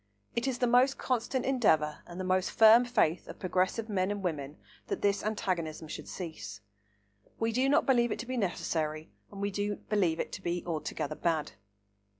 It is the most constant endeavour and the most firm faith of progressive men and women that this antagonism should cease. We do not believe it to be necessary and we do believe it to be altogether bad.